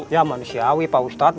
ya manusiawi pak ustadz